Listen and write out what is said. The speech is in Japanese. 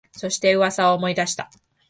そして、噂を思い出した